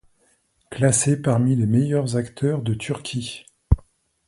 Classé parmi les meilleurs acteurs de Turquie.